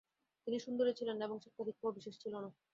তিনি সুন্দরী ছিলেন না এবং শিক্ষাদীক্ষাও বিশেষ ছিল না ।